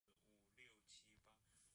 疾病和严寒起源于这个地区。